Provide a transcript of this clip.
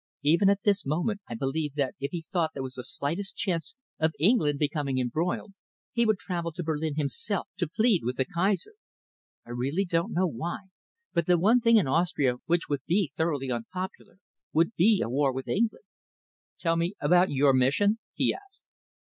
Even at this moment I believe that if he thought there was the slightest chance of England becoming embroiled, he would travel to Berlin himself to plead with the Kaiser. I really don't know why, but the one thing in Austria which would be thoroughly unpopular would be a war with England." "Tell me about your mission?" he asked.